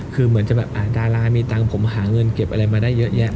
คือเหมือนจะแบบดารามีตังค์ผมหาเงินเก็บอะไรมาได้เยอะแยะ